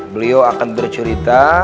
beliau akan bercerita